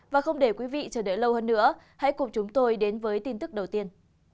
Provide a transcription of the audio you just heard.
và không để quý vị chờ đợi lâu hơn nữa hãy cùng chúng tôi đến với tin tức đầu tiên